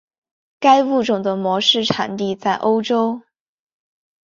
该物种的模式产地在欧洲。